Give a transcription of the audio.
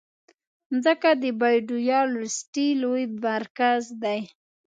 مځکه د بایوډایورسټي لوی مرکز دی.